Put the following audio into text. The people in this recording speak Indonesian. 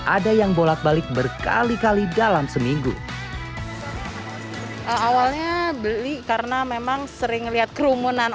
ada yang bolak balik berkali kali dalam seminggu awalnya beli karena memang sering lihat kerumunan